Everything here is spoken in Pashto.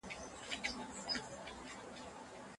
هغه کولای سي له ډاره اوږده لاره د اتڼ لپاره ووهي.